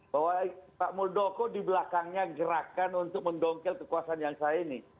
bahwa pak muldoko di belakangnya gerakan untuk mendongkel kekuasaan yang saya ini